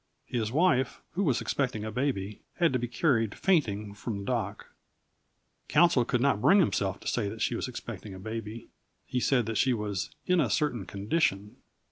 His wife, who was expecting a baby, had to be carried fainting from the dock. Counsel could not bring himself to say that she was expecting a baby. He said that she was "in a certain condition."